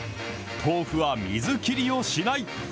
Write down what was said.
豆腐は水切りをしない。